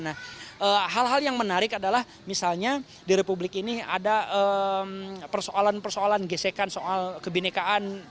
nah hal hal yang menarik adalah misalnya di republik ini ada persoalan persoalan gesekan soal kebenekaan